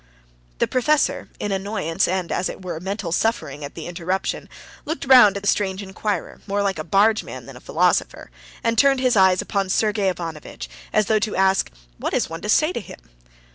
The professor, in annoyance, and, as it were, mental suffering at the interruption, looked round at the strange inquirer, more like a bargeman than a philosopher, and turned his eyes upon Sergey Ivanovitch, as though to ask: What's one to say to him?